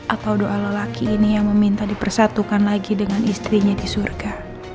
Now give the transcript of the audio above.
atau doa lelaki ini yang meminta dipersatukan lagi dengan istrinya di surga